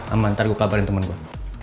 aman ntar gue kabarin temen gue